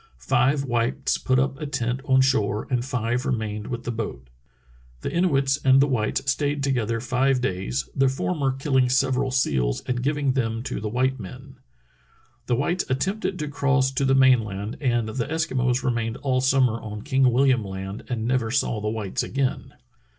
Five whites put up a tent on shore and five remained with the boat. The Inuits and the whites stayed together five days, the former killing several seals and giving them to the white men." The whites attempted to cross to the main land, and the Eskimos remained all summer on King Wilham Land and never saw the whites again.